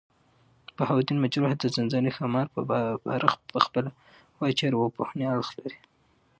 بهاوالدین مجروح د ځانځانۍ ښامارپه باره پخپله وايي، چي ارواپوهني اړخ لري.